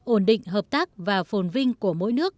ổn định hợp tác và phồn vinh của mỗi nước